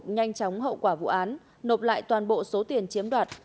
khắc phục nhanh chóng hậu quả vụ án nộp lại toàn bộ số tiền chiếm đoạt